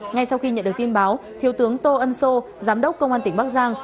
ngay sau khi nhận được tin báo thiếu tướng tô ân sô giám đốc công an tỉnh bắc giang